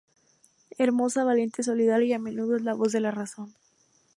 Hermosa, valiente y solidaria, a menudo es la voz de la razón.